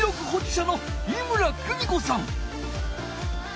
しゃの井村久美子さん！